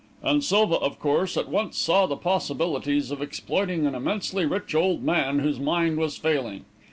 "And Silva, of course, at once saw the possibilities of exploiting an immensely rich old man, whose mind was failing.